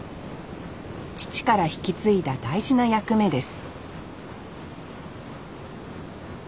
父から引き継いだ大事な役目です